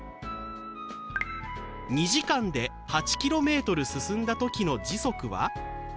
２時間で８ｋｍ進んだ時の時速は？